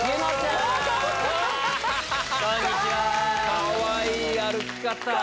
かわいい歩き方！